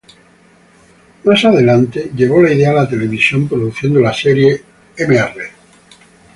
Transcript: Más adelante llevó la idea a la televisión, produciendo la serie "Mr.